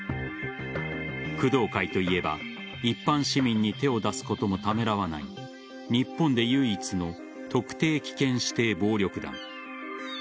工藤会といえば一般市民に手を出すこともためらわない日本で唯一の特定危険指定暴力団。